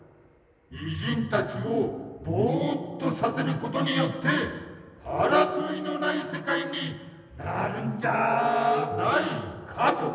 偉人たちをボーっとさせることによって争いのない世界になるんじゃあないかと。